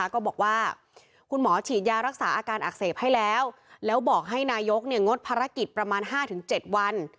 ก็บอกว่าคุณหมอฉีดยารักษาอาการอักเสบให้แล้วแล้วบอกให้นายกงดภารกิจประมาณ๕๗วัน